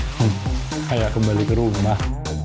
kayak kembali ke rumah